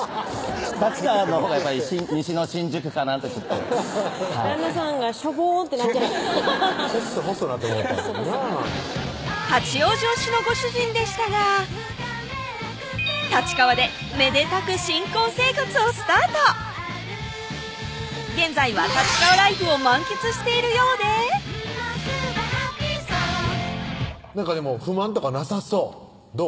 立川のほうがやっぱり西の新宿かなってちょっと旦那さんがショボーンってなっちゃったほっそいほっそいなってもうたなぁ八王子推しのご主人でしたが立川でめでたく新婚生活をスタート現在は立川ライフを満喫しているようでなんかでも不満とかなさそうどう？